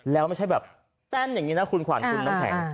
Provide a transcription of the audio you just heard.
แล้วไม่ใช่แบบเต้นอย่างนี้นะคุณขวัญคุณน้ำแข็ง